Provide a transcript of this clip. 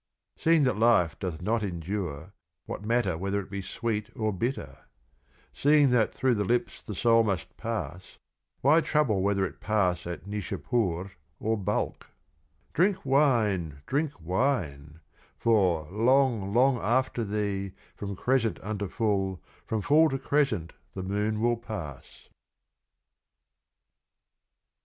(104) Seeing that Life doth not endure, what Matter whether it be sweet or bitter ? See ing that through the Lips the Soul must pass, why trouble whether it pass at Nisha pur or Balkh } Drink Wine, drink Wine ; for, long, long after thee, from crescent unto full, from full to crescent the Moon will pass.